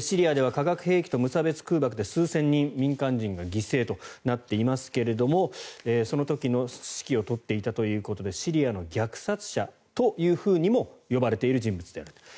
シリアでは化学兵器と無差別空爆で数千人、民間人が犠牲となっていますが、その時の指揮を執っていたということでシリアの虐殺者とも呼ばれている人物です。